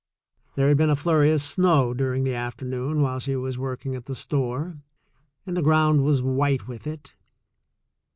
There had been a flurry of snow during the afternoon while she was working at the store, and the ground was white with it.